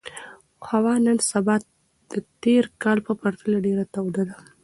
هوا نن سبا د تېر کال په پرتله ډېره توده ده.